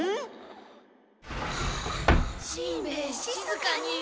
しんべヱしずかに！